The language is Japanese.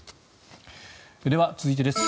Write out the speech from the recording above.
では、続いてです。